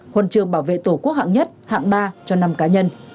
huân trường bảo vệ tổ quốc hạng nhất hạng ba cho năm cá nhân